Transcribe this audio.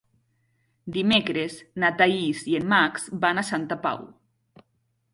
Dimecres na Thaís i en Max van a Santa Pau.